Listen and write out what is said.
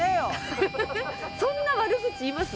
そんな悪口言います？